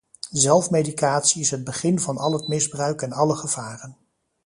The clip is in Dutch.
Zelfmedicatie is het begin van al het misbruik en alle gevaren.